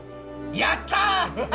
やったあ！